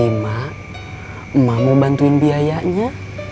ibu mau bantuin biayanya